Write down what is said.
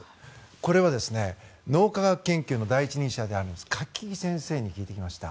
これは脳科学研究の第一人者である柿木先生に聞いてきました。